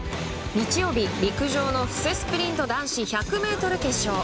日曜日、陸上の布勢スプリント男子１００ｍ決勝。